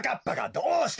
どうした？